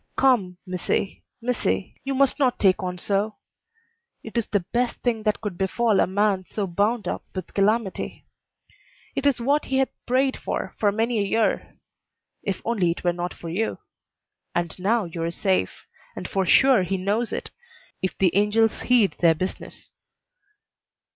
Come, missy, missy, you must not take on so. It is the best thing that could befall a man so bound up with calamity. It is what he hath prayed for for many a year if only it were not for you. And now you are safe, and for sure he knows it, if the angels heed their business."